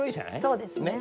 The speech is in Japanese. そうですね。